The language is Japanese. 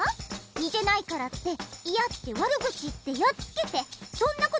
にてないからって「いや！」ってわるぐちいってやっつけてそんなことばっかりになるわ。